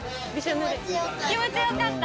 気持ちよかった。